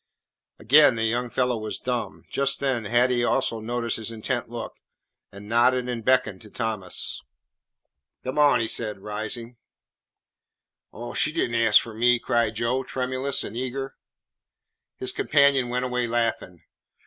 Again the young fellow was dumb. Just then Hattie also noticed his intent look, and nodded and beckoned to Thomas. "Come on," he said, rising. "Oh, she did n't ask for me," cried Joe, tremulous and eager. His companion went away laughing.